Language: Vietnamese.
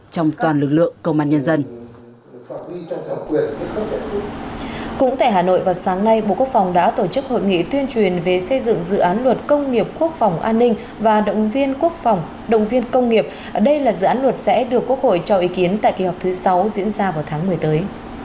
động viên quốc phòng động viên công nghiệp đây là dự án luật sẽ được quốc hội cho ý kiến tại kỳ họp thứ sáu diễn ra vào tháng một mươi tới